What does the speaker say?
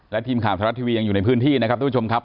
และทีมข่าวไทยรัฐทีวียังอยู่ในพื้นที่นะครับทุกผู้ชมครับ